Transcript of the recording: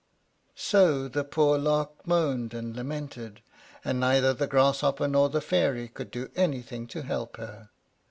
So the poor Lark moaned and lamented, and neither the Grasshopper nor the Fairy could do anything to help her.